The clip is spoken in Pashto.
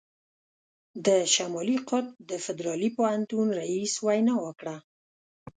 د شمالي قطب د فدرالي پوهنتون رييس وینا وکړه.